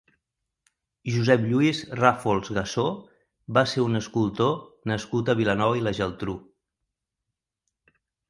Josep Lluís Ràfols Gassó va ser un escultor nascut a Vilanova i la Geltrú.